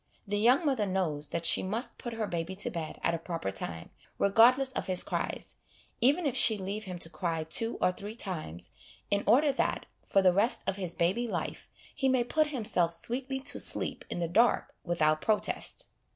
The young mother knows that she must put her baby to bed at a proper time, regardless of his cries, even if she leave him to cry two or three times, in order that, for the rest of his baby life, he may put himself sweetly to sleep in the dark without protest.